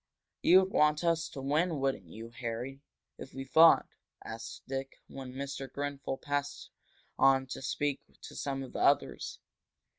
"You'd want us to win, wouldn't you, Harry, if we fought?" asked Dick, when Mr. Grenfel had passed on to speak to some of the others.